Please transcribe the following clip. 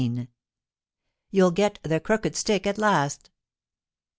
* you'll get the crooked stick at last.'